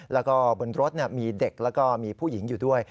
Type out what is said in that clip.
และบนรถมีเด็กและผู้หญิงอยู่ด้วย